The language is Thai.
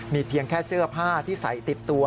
เพียงแค่เสื้อผ้าที่ใส่ติดตัว